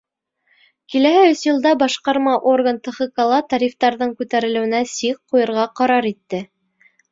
Киләһе өс йылда башҡарма орган ТКХ-ла тарифтарҙың күтәрелеүенә сик ҡуйырға ҡарар итте.